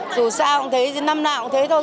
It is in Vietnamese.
dù sao cũng thế năm nào cũng thế thôi